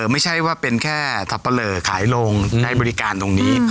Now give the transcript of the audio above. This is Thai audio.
ไม่ใช่ว่าเป็นแค่สับปะเหลอขายลงให้บริการตรงนี้